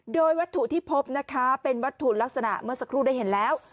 โดยวัตถุที่พบนะคะเป็นวัตถุลักษณะเมื่อสักครู่ได้เห็นแล้ว